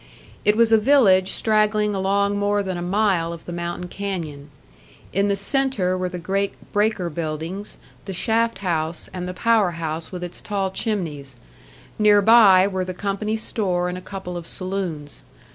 It was a village straggling along more than a mile of the mountain canyon. In the centre were the great breaker buildings, the shaft house, and the power house with its tall chimneys; nearby were the company store and a couple of saloons.